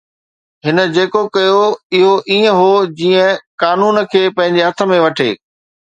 هن جيڪو ڪيو اهو ائين هو جيئن قانون کي پنهنجي هٿ ۾ وٺي